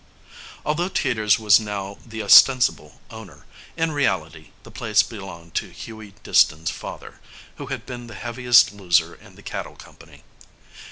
Although Teeters was now the ostensible owner, in reality the place belonged to Hughie Disston's father, who had been the heaviest loser in the cattle company.